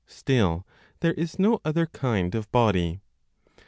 Still there is no other kind of body.